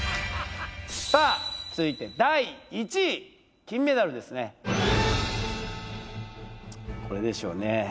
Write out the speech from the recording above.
さあ続いて第１位金メダルですねこれでしょうね